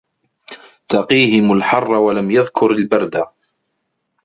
تَقِيهِمْ الْحَرَّ وَلَمْ يَذْكُرْ الْبَرْدَ